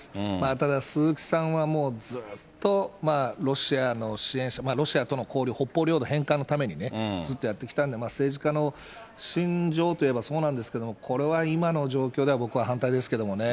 ただ、鈴木さんはもうずっとまあ、ロシアの支援者、ロシアとの交流、北方領土返還のためにね、ずっとやってきたので、政治家の信条といえばそうなんですけども、これは今の状況では僕は反対ですけれどもね。